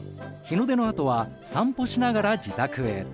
日の出のあとは散歩しながら自宅へ。